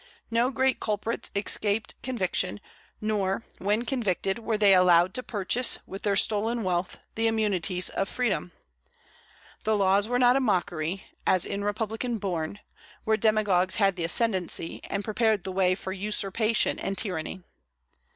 No great culprits escaped conviction; nor, when convicted, were they allowed to purchase, with their stolen wealth, the immunities of freedom. The laws were not a mockery, as in republican Borne, where demagogues had the ascendency, and prepared the way for usurpation and tyranny.